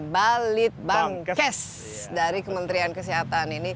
balit bangkes dari kementerian kesehatan ini